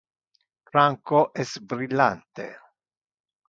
Franco es brillante.